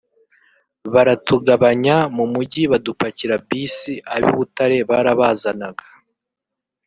baratugabanya mu mujyi badupakira bisi ab’i Butare barabazanaga